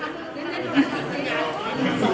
นั่น